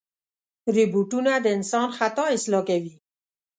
روبوټونه د انسان خطا اصلاح کوي.